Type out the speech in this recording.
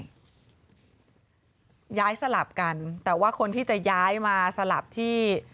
ย้ายสลับกันแต่ว่าคนที่จะย้ายมาสลับที่